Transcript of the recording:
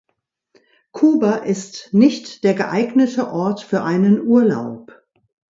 Kuba ist nicht der geeignete Ort für einen Urlaub.